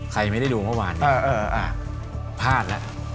ใครไม่ได้ดูเมื่อวานพลาดแล้ว